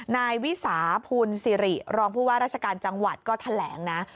นายวิสาภูลสิริรองผู้ว่าราชการจังหวัดก็แถลงนะ